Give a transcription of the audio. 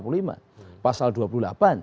dan itu hak konstitusi